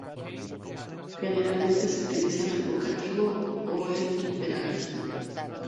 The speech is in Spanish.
Generalmente se utiliza el vocativo o el imperativo.